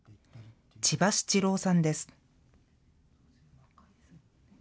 千葉七郎さんです。